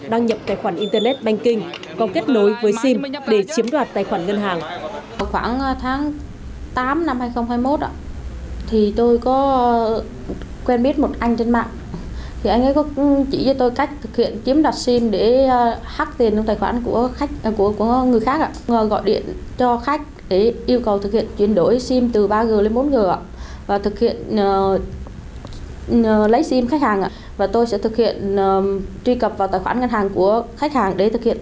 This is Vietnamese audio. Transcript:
đăng nhập tài khoản internet banking còn kết nối với sim để chiếm đoạt tài khoản ngân hàng